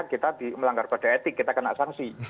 kita melanggar kode etik kita kena sanksi